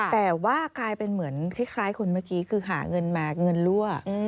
แต่ว่ากลายเป็นเหมือนคล้ายคนเมื่อกี้คือหาเงินมาเงินรั่ว